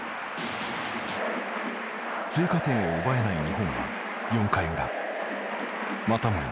追加点を奪えない日本は４回裏またもや